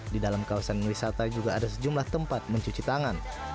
di dalam kawasan wisata juga ada sejumlah tempat mencuci tangan